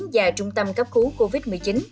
và trung tâm cấp cứu covid một mươi chín